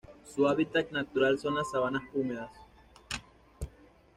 Su hábitat natural son las sabanas húmedas.